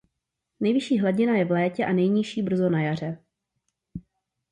Nejvyšší hladina je v létě a nejnižší brzo na jaře.